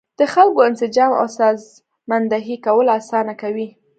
د خلکو انسجام او سازماندهي کول اسانه کوي.